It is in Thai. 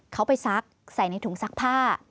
เขาไปซักใส่ในถุงซักผ้า